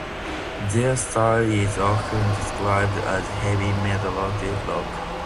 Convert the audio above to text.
Their style is often described as heavy melodic rock.